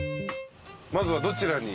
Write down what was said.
まずはどちらに？